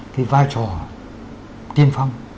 cái vai trò tiên phong